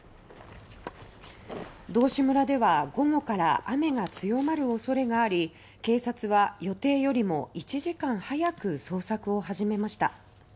道志村では午後から雨が強まる恐れがあり警察は予定よりも１時間早く捜索を始めました。